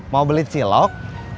mau beli cilok